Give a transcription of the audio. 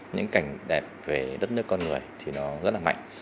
những cảnh đẹp về đất nước con người thì nó rất là mạnh